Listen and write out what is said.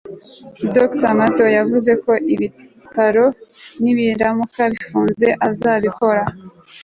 dr matthew yavuze ko ibitaro nibiramuka bifunze, azabikora